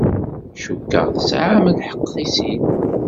Cukkeɣ tesɛam lḥeqq i sin.